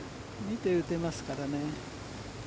見て打てますからね。